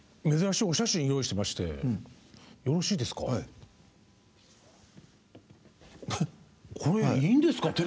珍しいお写真を用意してましてよろしいですか。